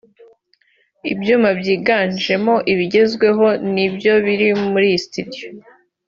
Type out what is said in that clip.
Ibyuma byiganjemo ibigezweho ni byo biri muri iyi studio